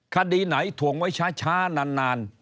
คดีไหนถ่วงไว้ช้านาน